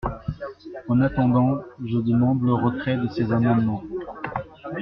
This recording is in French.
En attendant, je demande le retrait de ces amendements.